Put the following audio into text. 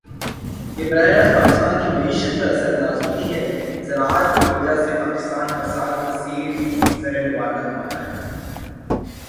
یہ براہِ راست پاکستان کی معیشت پر اثر اندازہوتی ہے۔ زراعت کی وجہ سے پاکستان ہر سال کثیر زرمبادلہ کماتا ہے.